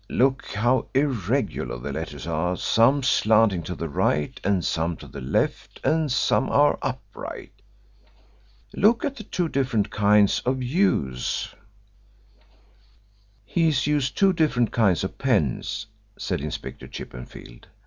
Look how irregular the letters are some slanting to the right and some to the left, and some are upright. Look at the two different kinds of 'U's.'" "He's used two different kinds of pens," said Inspector Chippenfield.